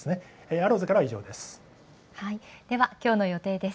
アローズから以上です。